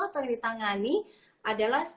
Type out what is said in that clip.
atau di tangani adalah